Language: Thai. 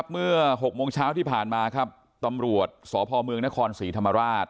เมื่อ๖โมงเช้าที่ผ่านมาครับตำรวจสพเมืองนครศรีธรรมราช